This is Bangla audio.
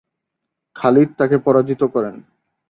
খালিদ তাকে পরাজিত করেন।